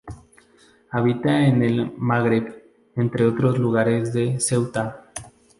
Habita en el Magreb, entre otros lugares en Ceuta.